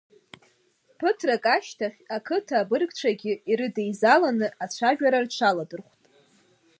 Ԥыҭрак ашьҭахь ақыҭа абыргцәагьы ирыдеизаланы ацәажәара рҽаладырхәт.